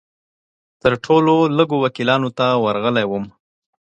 تر ټولو لږو وکیلانو ته ورغلی وم.